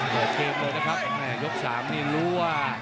โดยเกนเลยนะครับยก๓นี้รู้ว่า